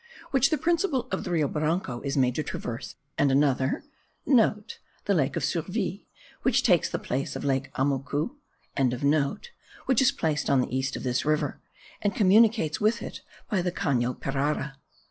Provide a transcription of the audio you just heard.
which the principal of the Rio Branco is made to traverse; and another,* (* The lake of Surville, which takes the place of lake Amucu.) which is placed on the east of this river, and communicates with it by the Cano Pirara.